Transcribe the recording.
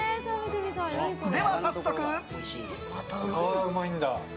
では、早速。